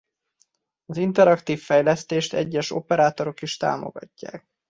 Az interaktív fejlesztést egyes operátorok is támogatják.